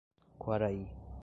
Quaraí